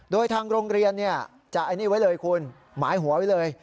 โดยทางโรงเรียนจะไอ้นี่ไว้เลยคุณหมายหัวไว้เลย